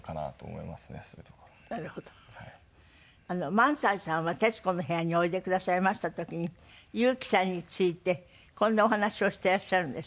萬斎さんは『徹子の部屋』においでくださいました時に裕基さんについてこんなお話をしていらっしゃるんです。